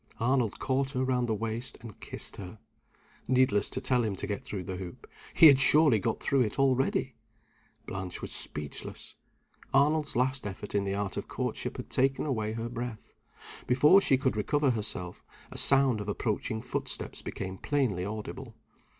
Arnold caught her round the waist and kissed her. Needless to tell him to get through the hoop. He had surely got through it already! Blanche was speechless. Arnold's last effort in the art of courtship had taken away her breath. Before she could recover herself a sound of approaching footsteps became plainly audible.